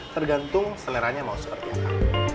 tergantung seleranya mau seperti apa